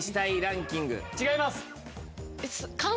違います。